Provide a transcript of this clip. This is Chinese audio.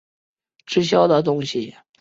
直销的东西